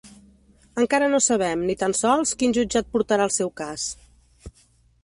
Encara no sabem, ni tan sols, quin jutjat portarà el seu cas.